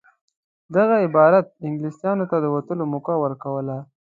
دغه عبارت انګلیسیانو ته د وتلو موقع ورکوله.